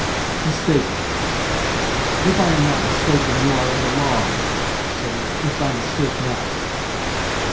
MISTAKEN. "If I am not mistaken, you are in the wrong": say, "If I mistake not."